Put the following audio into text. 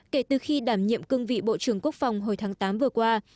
kể từ khi đảm nhiệm cương vị bộ trưởng quốc phòng hồi tháng tám vừa qua